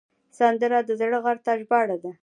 سندره د زړه غږ ته ژباړه ده